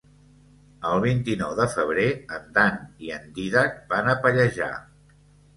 El vint-i-nou de febrer en Dan i en Dídac van a Pallejà.